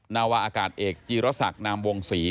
นาวาอากาศเอกจีรศักดิ์นามวงศรี